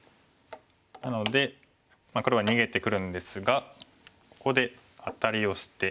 なので黒は逃げてくるんですがここでアタリをして。